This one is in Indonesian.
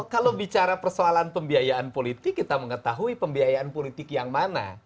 kalau bicara persoalan pembiayaan politik kita mengetahui pembiayaan politik yang mana